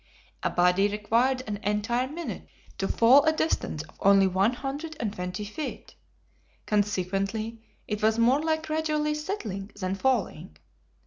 A body required an entire minute to fall a distance of only 120 feet. Consequently, it was more like gradually settling than falling.